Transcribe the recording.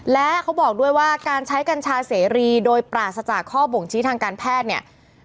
และเขาบอกด้วยว่าการใช้กัญชาเสรีโดยปราศจากข้อบ่งชี้ทางการแพทย์เนี่ย